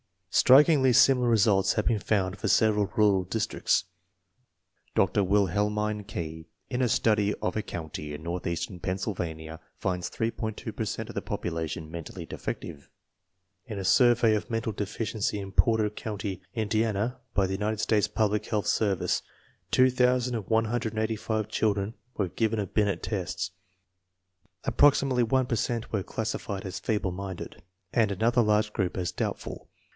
Strikingly similar results have been found for sev eral rural districts. Dr. Wilhelmine Key, in a study of a county in Northeastern Pennsylvania, finds 8.2 per cent of the population mentally defective. In a survey of mental deficiency in Porter County, Indi ana, by the United States Public Health Service, 2185 children were given a Binet test. Approxi mately one per cent were classified as feeble minded, and another large group as doubtful.